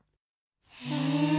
へえ。